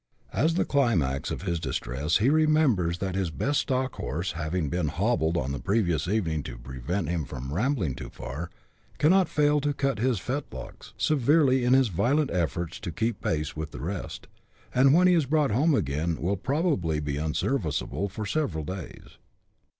As the climax of his distress he remembers that his best stock horse having been " hobbled " on the previous evening to prevent him from rambling too far, can not fail to cut his fetlocks severely in his violent eff^orts to keep pace with the rest, and when he is brought home again will pro bably be unserviceable for several days.